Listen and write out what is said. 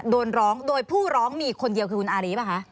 โดนร้องโดยผู้ร้องมีคนเดียวคือคุณอารีป่ะคะ